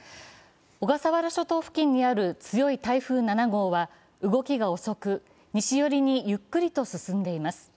小笠原諸島付近にある強い台風７号は動きが遅く、西寄りにゆっくりと進んでいます。